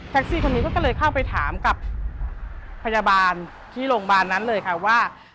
ซี่คนนี้ก็เลยเข้าไปถามกับพยาบาลที่โรงพยาบาลนั้นเลยค่ะว่า